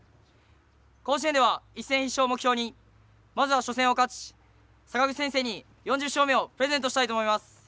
甲子園では一戦必勝を目標にまずは初戦を勝ち阪口先生に４０勝目をプレゼントしたいと思います。